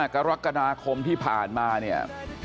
กรกฎาคมที่ผ่านมาเนี่ย